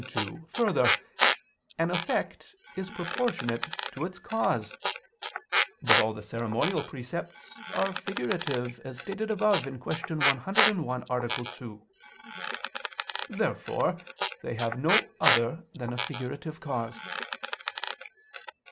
2: Further, an effect is proportionate to its cause. But all the ceremonial precepts are figurative, as stated above (Q. 101, A. 2). Therefore they have no other than a figurative cause.